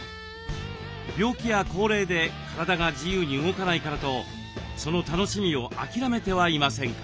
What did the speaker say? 病気や高齢で体が自由に動かないからとその楽しみを諦めてはいませんか？